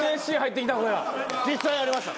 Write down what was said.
実際ありました。